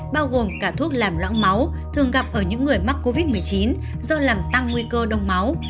bao gồm cả thuốc làm lõng máu thường gặp ở những người mắc covid một mươi chín do làm tăng nguy cơ đông máu